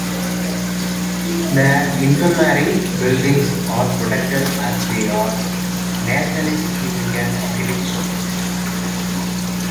The Infirmary buildings are protected as they are nationally significant architecture.